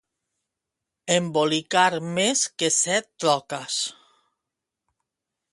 Embolicar més que set troques.